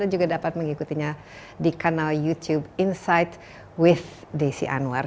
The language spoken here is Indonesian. dan juga dapat mengikutinya di kanal youtube insight with desi anwar